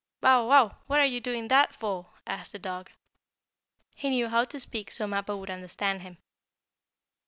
"Bow wow! What are you doing that for?" asked the dog. He knew how to speak so Mappo would understand him.